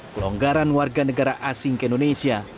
kelonggaran warga negara asing ke indonesia